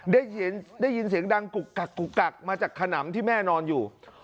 ได้ยินได้ยินเสียงดังกุกกกกมาจากขนำที่แม่นอนอยู่